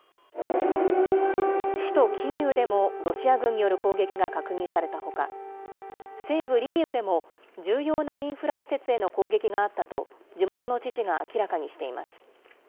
首都キーウでもロシア軍による攻撃が確認されたほか、西部リビウでも、重要なインフラ施設への攻撃があったと地元の知事が明らかにしています。